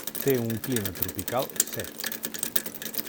Té un clima tropical sec.